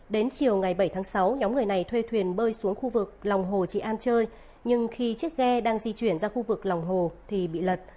đến chiều ngày bảy tháng sáu nhóm người này thuê thuyền bơi xuống khu vực lòng hồ trị an chơi nhưng khi chiếc ghe đang di chuyển ra khu vực lòng hồ thì bị lật